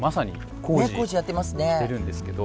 工事やってるんですけど。